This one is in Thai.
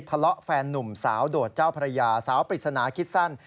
ทะเลาะแฟนนุ่มสาวโดดเจ้าพระยาสาวปริศนาคิดสั้น